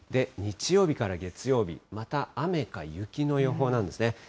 日曜日から月曜日、また、雨か雪の予報なんですね。